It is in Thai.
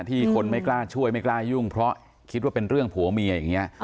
คนไม่กล้าช่วยไม่กล้ายุ่งเพราะคิดว่าเป็นเรื่องผัวเมียอย่างนี้